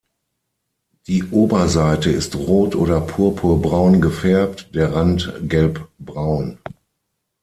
Die Oberseite ist rot oder purpurbraun gefärbt, der Rand gelbbraun.